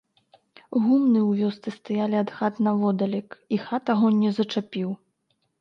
Гумны ў вёсцы стаялі ад хат наводдалек, і хат агонь не зачапіў.